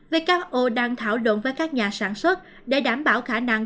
who đang thảo động với các nhà sản xuất để đảm bảo khả năng